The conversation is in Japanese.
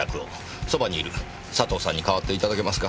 そばにいる佐藤さんに代わっていただけますか。